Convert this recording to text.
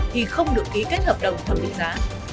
thì không được ký kết hợp đồng thẩm định giá